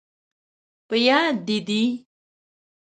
په یاد، دې دي؟